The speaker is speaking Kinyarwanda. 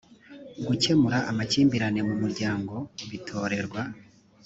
gukemura amakimbirane mu muryango batorerwa